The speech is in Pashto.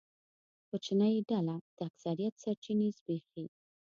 کوچنۍ ډله د اکثریت سرچینې زبېښي.